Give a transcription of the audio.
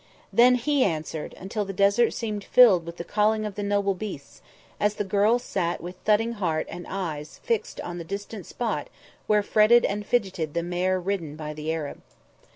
Then he answered, until the desert seemed filled with the calling of the noble beasts, as the girl sat with thudding heart and eyes fixed on the distant spot where fretted and fidgeted the mare ridden by the Arab.